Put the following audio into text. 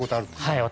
はい。